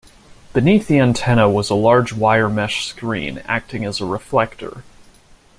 Beneath the antenna was a large wire mesh screen acting as a reflector.